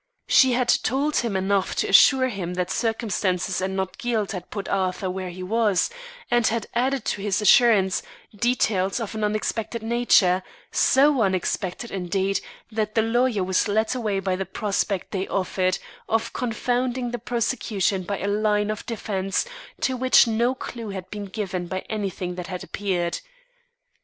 She had told him enough to assure him that circumstances and not guilt had put Arthur where he was, and had added to the assurance, details of an unexpected nature so unexpected, indeed, that the lawyer was led away by the prospect they offered of confounding the prosecution by a line of defence to which no clew had been given by anything that had appeared.